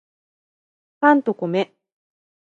パンと米